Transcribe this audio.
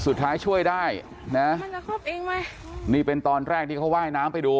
สุดท้ายช่วยได้นะนี่เป็นตอนแรกที่เขาไหว้น้ำไปดู